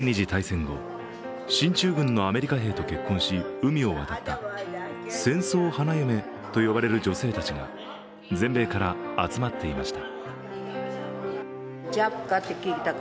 第二次大戦後、進駐軍のアメリカ兵と結婚し、海を渡った戦争花嫁と呼ばれる女性たちが全米から集まっていました。